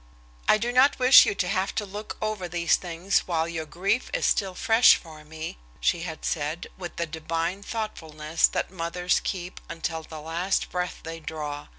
"I do not wish you to have to look over these things while your grief is still fresh for me," she had said, with the divine thoughtfulness that mothers keep until the last breath they draw.